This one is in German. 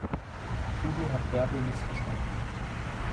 Udo hat Bärbel missverstanden.